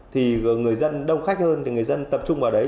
thì người dân đông khách hơn thì người dân tập trung vào đấy